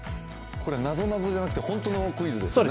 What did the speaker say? なぞなぞじゃなくて、ホントのクイズですね？